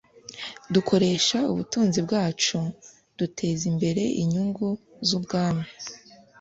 dukoresha ubutunzi bwacu duteza imbere inyungu z'Ubwami